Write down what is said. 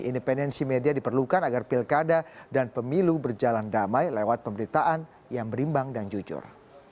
independensi media diperlukan agar pilkada dan pemilu berjalan damai lewat pemberitaan yang berimbang dan jujur